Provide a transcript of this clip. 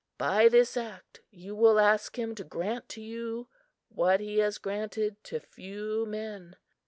By this act, you will ask him to grant to you what he has granted to few men.